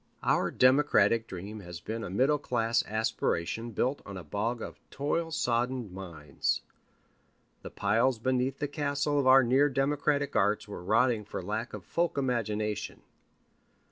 Our democratic dream has been a middle class aspiration built on a bog of toil soddened minds. The piles beneath the castle of our near democratic arts were rotting for lack of folk imagination.